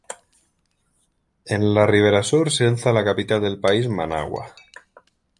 En la ribera sur se alza la capital del país, Managua.